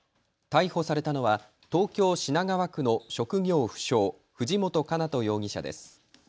逮捕されたのは東京品川区の職業不詳、藤本叶人容疑者です。